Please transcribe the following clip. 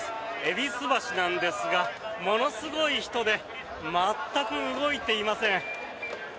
戎橋なんですが、ものすごい人で全く動いていません。